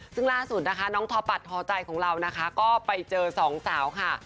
ซึ่งล่าสุดนะคะน้องทอปัดทอใจของเรานะคะก็ไปเจอสองสาวค่ะ